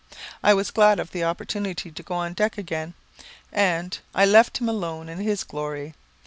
I was glad of this opportunity to go on deck again, and "I left him alone in his glory."